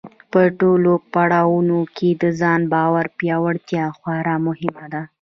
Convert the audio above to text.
په ټولو پړاوونو کې د ځان باور پیاوړتیا خورا مهمه ده.